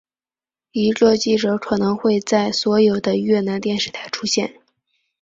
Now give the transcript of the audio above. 一个记者可能会在所有的越南电视台出现。